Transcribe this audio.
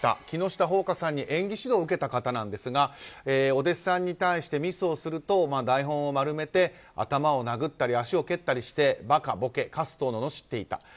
木下ほうかさんに演技指導を受けた方なんですがお弟子さんに対してミスをすると台本を丸めて頭を殴ったり足を蹴ったりしてバカ、ボケ、カスとののしっていた。